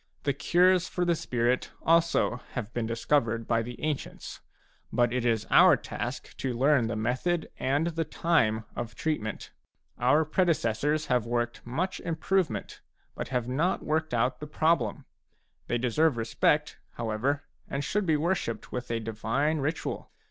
The cures for the spirit also have been discovered by the ancients ; but it is our task to learn the method and the time of treatment. Our pre decessors have worked much improvement, but have not worked out the problem. They deserve respect, however, and should be worshipped with a divine ritual.